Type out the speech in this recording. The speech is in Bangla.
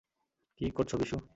কী করছো, বিশু?